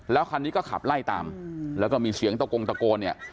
คันนี้ก็ขับไล่ตามแล้วก็มีเสียงตะโกงตะโกนเนี่ย